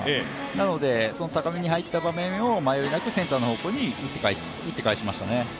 なので高めに入った場面を迷い７９センターの方向に打って返しましたね。